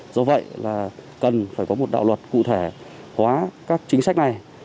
do vậy là cần phải có một đạo luật cụ thể quá các chính sách này